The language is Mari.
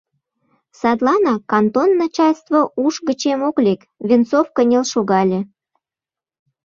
Садланак кантон начальство уш гычем ок лек, — Венцов кынел шогале.